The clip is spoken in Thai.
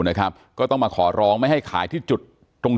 อ๋อเจ้าสีสุข่าวของสิ้นพอได้ด้วย